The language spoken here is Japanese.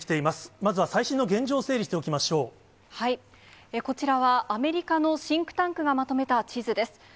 まずは最新の現状を整理しておきこちらはアメリカのシンクタンクがまとめた地図です。